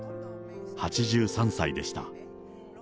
８３歳でした。